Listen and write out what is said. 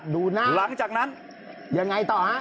ดูหน้าอย่างไรต่อครับหลังจากนั้น